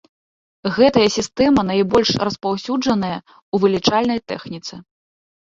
Гэтая сістэма найбольш распаўсюджаная ў вылічальнай тэхніцы.